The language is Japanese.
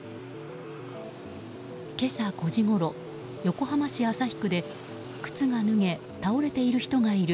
今朝５時ごろ、横浜市旭区で靴が脱げ倒れている人がいる。